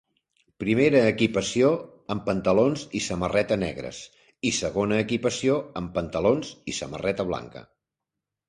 Primera equipació, amb pantalons i samarreta negres, i segona equipació, amb pantalons i samarreta blanca.